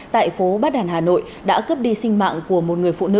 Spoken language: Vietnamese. tại phố bát đàn hà nội đã cướp đi sinh mạng của một người phụ nữ